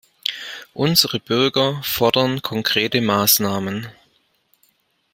Unsere Bürger fordern konkrete Maßnahmen.